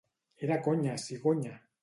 —Era conya, cigonya!